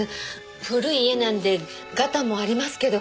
古い家なんでガタもありますけど。